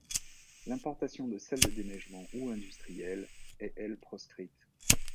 L'importation de sel de déneigement ou industriel est elle proscrite.